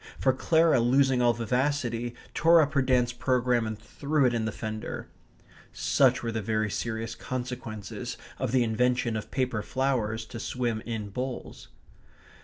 For Clara, losing all vivacity, tore up her dance programme and threw it in the fender. Such were the very serious consequences of the invention of paper flowers to swim in bowls.